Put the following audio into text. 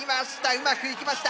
うまくいきました。